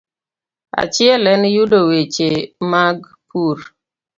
Achiel en yudo weche mag pur.